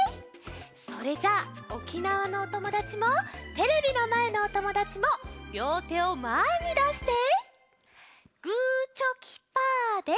それじゃあ沖縄のおともだちもテレビのまえのおともだちもりょうてをまえにだして「グーチョキパーで」。